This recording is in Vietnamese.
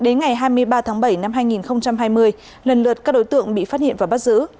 đến ngày hai mươi ba tháng bảy năm hai nghìn hai mươi lần lượt các đối tượng bị phát hiện và bắt giữ